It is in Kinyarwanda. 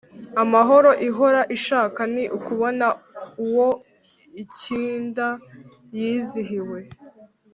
amahoro ihora ishaka ni ukubona uwo ikinda yizihiwe